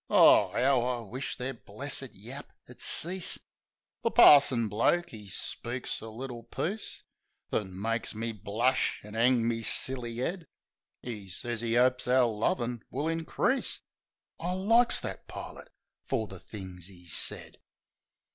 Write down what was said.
O, 'ow I wished their blessed yap would cease ! The Parson bloke 'e speaks a little piece, That makes me blush an' 'ang me silly 'ead. 'E sez 'e 'opes our lovin' will increase — I likes that pilot f er the things 'e said.